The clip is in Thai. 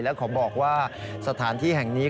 แล้วขอบอกว่าสถานที่แห่งนี้